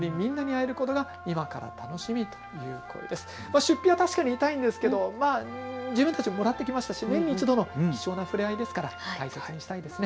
出費は確かに痛いんですけど自分たちももらってきましたし年に１度の貴重なふれあいですから大切にしたいですね。